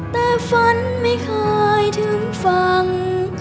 แต่ฝันไม่ค่อยถึงฟัง